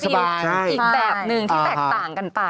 มันก็จะได้มีอีกแบบนึงที่แตกต่างกันไป